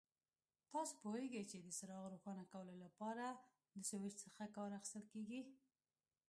تاسو پوهیږئ چې د څراغ روښانه کولو لپاره له سوېچ څخه کار اخیستل کېږي.